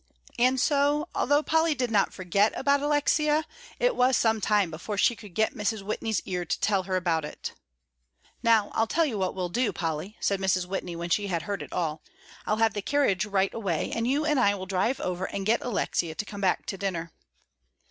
And so, although Polly did not forget about Alexia, it was some time before she could get Mrs. Whitney's ear to tell her about it. "Now I'll tell you what we'll do, Polly," said Mrs. Whitney, when she had heard it all; "I'll have the carriage right away, and you and I will drive over and get Alexia to come back to dinner."